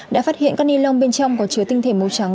đã phát hiện các ni lông bên trong có chứa tinh thể màu trắng